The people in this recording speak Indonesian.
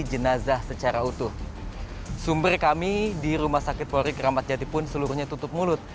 jenazah secara utuh sumber kami di rumah sakit polri keramat jati pun seluruhnya tutup mulut